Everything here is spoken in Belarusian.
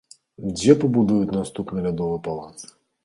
Дзе пабудуюць наступны лядовы палац?